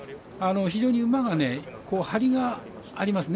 非常に馬がハリがありますよね。